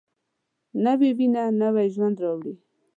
نوې وینه نوی ژوند راولي